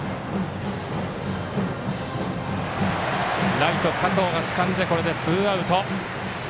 ライト、加藤がつかんでこれでツーアウト。